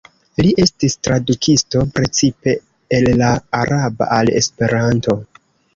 Li estis tradukisto precipe el la araba al esperanto.